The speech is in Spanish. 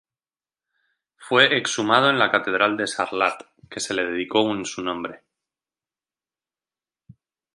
Fue exhumado en la Catedral de Sarlat, que se le dedicó en su nombre.